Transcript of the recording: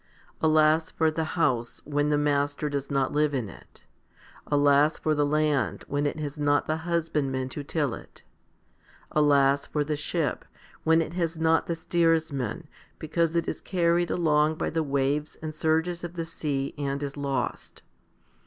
Alas for the house when the master does not live in it. Alas for the land when it has not the husbandman to till it. Alas for the ship when it has not the steersman, because it is carried along by the waves and surges of the sea and is lost.